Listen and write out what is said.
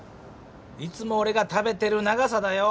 いつもおれが食べてる長さだよ！